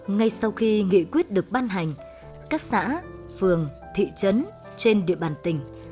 ngay sau khi nghị quyết được ban hành các xã phường thị trấn trên địa bàn tỉnh